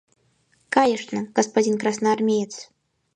Кайышна, господин красноармеец!